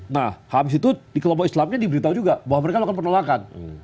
nah habis itu di kelompok islamnya diberitahu juga bahwa mereka melakukan penolakan